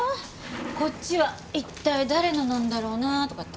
こっちは一体誰のなんだろうな？とかって。